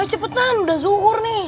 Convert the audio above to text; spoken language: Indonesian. cepetan udah zuhur nih